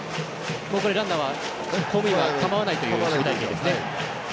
ランナーは、ホームインはかまわないという守備隊形ですね。